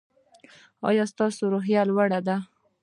ایا ستاسو روحیه لوړه ده؟